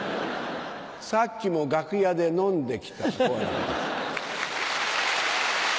さっきも楽屋で飲んできた好楽です。